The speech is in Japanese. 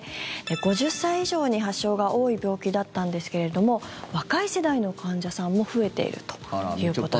５０歳以上に発症が多い病気だったんですけれども若い世代の患者さんも増えているということです。